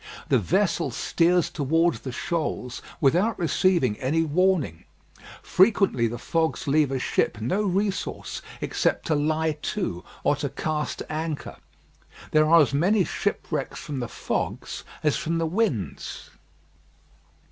The vessel steers towards the shoals without receiving any warning. Frequently the fogs leave a ship no resource except to lie to, or to cast anchor. There are as many shipwrecks from the fogs as from the winds.